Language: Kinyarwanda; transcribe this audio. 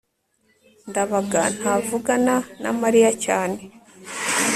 ndabaga ntavugana na mariya cyane